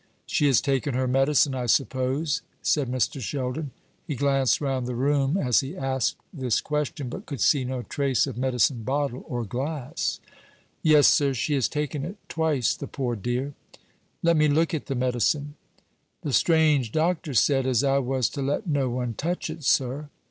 "She has taken her medicine, I suppose?" said Mr. Sheldon. He glanced round the room as he asked this question, but could see no trace of medicine bottle or glass. "Yes, sir; she has taken it twice, the poor dear." "Let me look at the medicine." "The strange doctor said as I was to let no one touch it, sir."